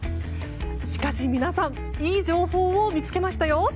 しかし皆さんいい情報を見つけましたよ。